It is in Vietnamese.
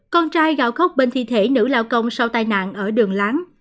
con trai gạo khóc bên thi thể nữ lao công sau tai nạn ở đường lán